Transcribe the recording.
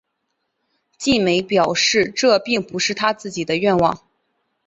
晋美表示这并不是他自己的愿望。